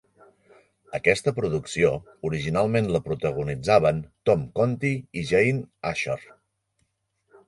Aquesta producció originalment la protagonitzaven Tom Conti i Jane Asher.